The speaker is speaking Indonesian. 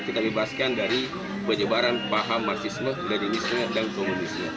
kita bebaskan dari pejebaran paham marxisme dan dinisnya dan komunisnya